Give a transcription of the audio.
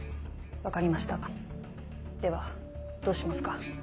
分かりましたではどうしますか？